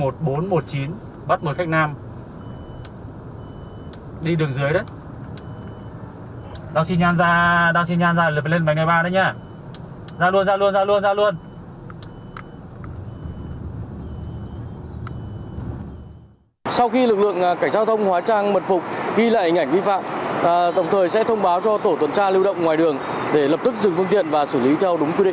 sau khi lực lượng cảnh sát giao thông hóa trang mật phục ghi lại hình ảnh vi phạm tổng thời sẽ thông báo cho tổ tuần tra lưu động ngoài đường để lập tức dừng phương tiện và xử lý theo đúng quy định